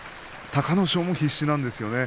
隆の勝も必死なんですよね。